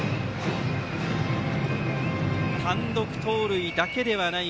単独盗塁だけではない。